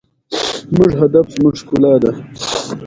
کیمیاګر له شلو میلیونو ډیر پلورل شوی دی.